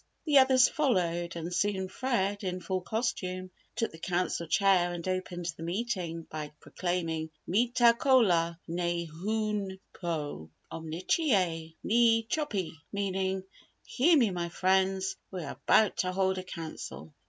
The others followed and soon Fred, in full costume, took the Council Chair and opened the meeting by proclaiming: "Meetah Kola, nayhoonpo omnicheeyey nee chopi" meaning, "Hear me my friends, we are about to hold a council."